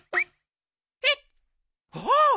えっ？ああ！